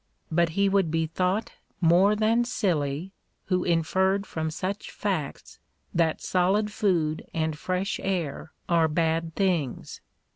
But he would be thought more than silly who inferred from such facts that solid food and fresh air are bad things.